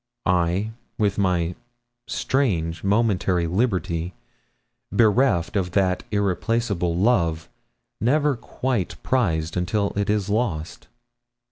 I with my strange momentary liberty, bereft of that irreplaceable love, never quite prized until it is lost.